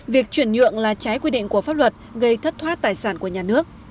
việc chuyển nhượng là trái quy định của pháp luật gây thất thoát tài sản của nhà nước